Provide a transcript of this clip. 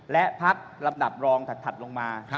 และพักลำดับรองถัดลงมา